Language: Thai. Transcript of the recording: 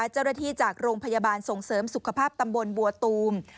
จากโรงพยาบาลส่งเสริมสุขภาพตำบลบัวตูม